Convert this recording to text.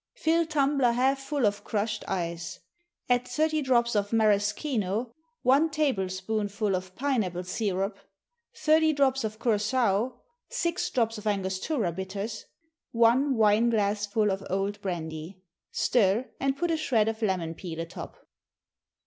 _ Fill tumbler half full of crushed ice. Add thirty drops of maraschino, one tablespoonful of pine apple syrup, thirty drops of curaçoa, six drops of Angostura bitters, one wine glassful of old brandy. Stir, and put a shred of lemon peel atop.